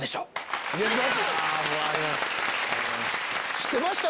知ってました？